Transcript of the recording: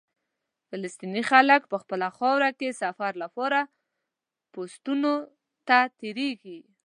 فلسطیني خلک په خپله خاوره کې سفر لپاره پوسټونو ته تېرېږي.